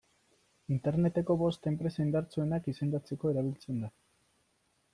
Interneteko bost enpresa indartsuenak izendatzeko erabiltzen da.